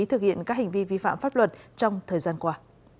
thực hiện các hành vi vi phạm pháp luật trong thời gian qua